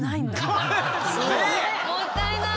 もったいない。